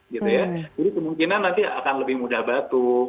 jadi kemungkinan nanti akan lebih mudah batuk